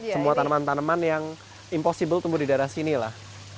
semua tanaman tanaman yang impossible tumbuh di daerah sini lah